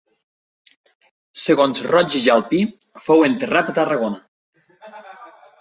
Segons Roig i Jalpí fou enterrat a Tarragona.